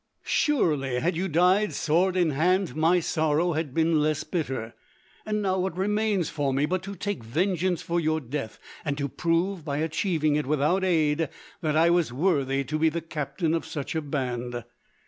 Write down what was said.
Surely had you died sword in hand my sorrow had been less bitter! And now what remains for me but to take vengeance for your death and to prove, by achieving it without aid, that I was worthy to be the captain of such a band!"